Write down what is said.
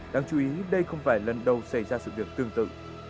đáng chú ý đây không phải lần đầu xảy ra sự việc tương tự